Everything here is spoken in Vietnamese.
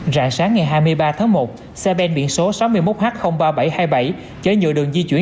rạng sáng ngày hai mươi ba tháng một xe ben biển số sáu mươi một h ba nghìn bảy trăm hai mươi bảy chở nhựa đường di chuyển